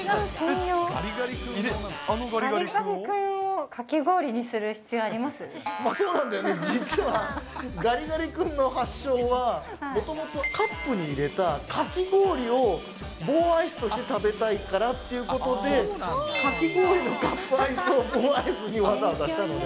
ガリガリ君をかき氷にする必そうなんだよね、もともと、ガリガリ君の発祥は、もともとカップに入れたかき氷を棒アイスとして食べたいからっていうことで、かき氷のカップアイスを棒アイスにわざわざしたのね。